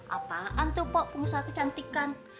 apaan tuh pok pengusaha kecantikan